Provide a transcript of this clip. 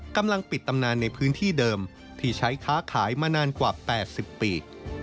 กำลังปิดตำนานในพื้นที่เดิมที่ใช้ค้าขายมานานกว่า๘๐ปี